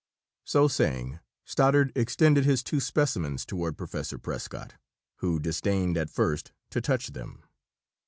So saying, Stoddard extended his two specimens toward Professor Prescott, who disdained at first to touch them.